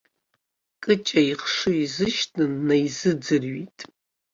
Кыҷа ихшыҩ изышьҭны днаизыӡырҩит.